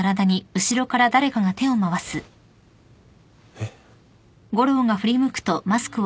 えっ？